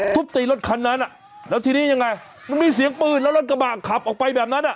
ทุบตีรถคันนั้นแล้วทีนี้ยังไงมันมีเสียงปืนแล้วรถกระบะขับออกไปแบบนั้นอ่ะ